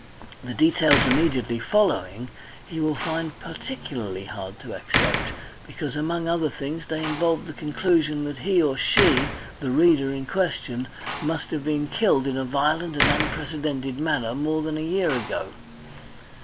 The details immediately following he will find particularly hard to accept, because among other things they involve the conclusion that he or she, the reader in question, must have been killed in a violent and unprecedented manner more than a year ago.